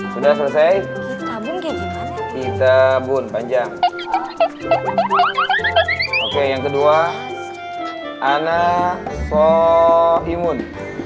sudah selesai kita pun panjang oke yang kedua anak sohimun